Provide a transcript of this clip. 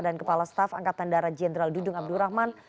dan kepala staf angkatan darat jenderal dudung abdul rahman